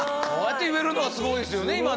そうやって言えるのはすごいですよね